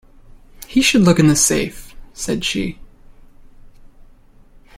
"He should look in the safe," said she.